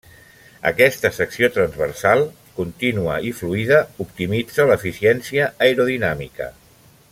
Aquesta secció transversal contínua i fluida optimitza l'eficiència aerodinàmica.